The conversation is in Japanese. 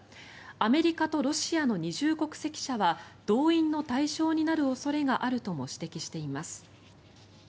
アメリカとロシアの二重国籍者は動員の対象になる恐れがあるとも指摘しています。